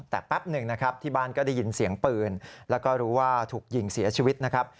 แต่แป๊บหนึ่งนะครับที่บ้านก็ได้ยินเสียงปืนแล้วก็รู้ว่าถูกยิงเสียชีวิตนะครับ